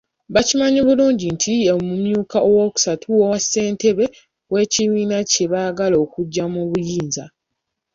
Bakimanyi bulungi nti ye mumyuka owookusatu owa ssentebe w’ekibiina kye baagala okuggya mu buyinza.